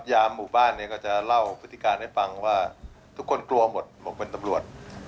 ยามหมู่บ้านเนี่ยก็จะเล่าพฤติการให้ฟังว่าทุกคนกลัวหมดบอกเป็นตำรวจ